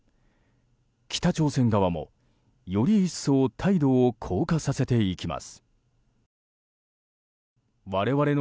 北朝鮮側もより一層態度を硬化させていきます。